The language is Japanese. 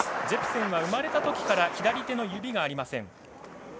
ジェプセンは生まれたときから左手の指がありません。